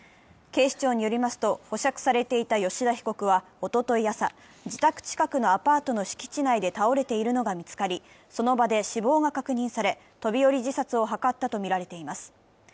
警視庁によりますと、保釈されていた吉田被告は、おととい朝、自宅近くのアパートの敷地内で倒れているのが見つかり、その場で死亡が確認され、飛び降り自殺を図ったとみられています。